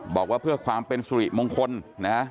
บอกว่าเพื่อความเป็นสุริมงคลนะ